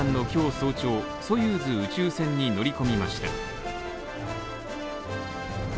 早朝、ソユーズ宇宙船に乗り込みました。